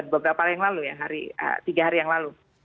beberapa hari yang lalu ya tiga hari yang lalu